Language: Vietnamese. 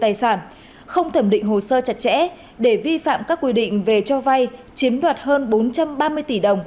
tài sản không thẩm định hồ sơ chặt chẽ để vi phạm các quy định về cho vay chiếm đoạt hơn bốn trăm ba mươi tỷ đồng